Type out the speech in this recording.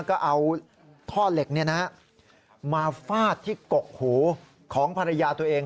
ก็เอาท่อเหล็กมาฟาดที่กกหูของภรรยาตัวเอง